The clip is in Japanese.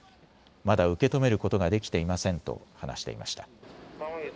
まだ受け止めることができていませんと話していました。